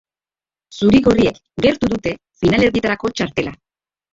Zuri-gorriek gertu dute finalerdietarako txartela.